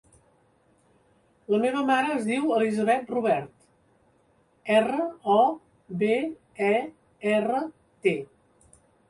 La meva mare es diu Elisabeth Robert: erra, o, be, e, erra, te.